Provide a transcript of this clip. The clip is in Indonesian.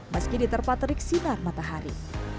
meski diterpatrik sinar matahari